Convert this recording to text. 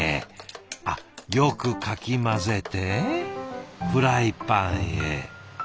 あっよくかき混ぜてフライパンへ。